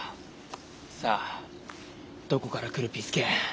さあどこから来るピス健。